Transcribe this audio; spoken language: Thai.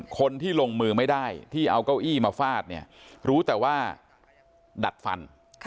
คนที่ลงมือไม่ได้ที่เอาเก้าอี้มาฟาดเนี่ยรู้แต่ว่าดัดฟัน